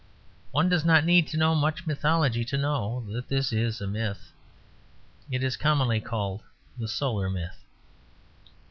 One does not need to know much mythology to know that this is a myth. It is commonly called the Solar Myth.